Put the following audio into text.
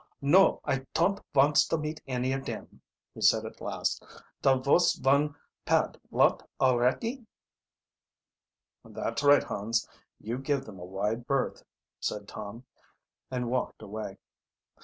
"No, I ton't vonts to meet any of dem," he said at last. "Da vos von pad lot alretty!" "That's right, Hans, you give them a wide berth," said Tom, and walked away.